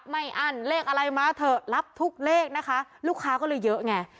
อั้นเลขอะไรมาเถอะรับทุกเลขนะคะลูกค้าก็เลยเยอะไง